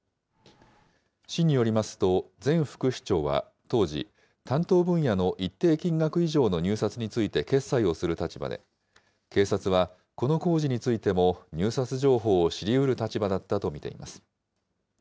市によりますと、前副市長は当時、担当分野の一定金額以上の入札について決裁をする立場で、警察は、この工事についても入札情報を知りうる立場だったと見ています。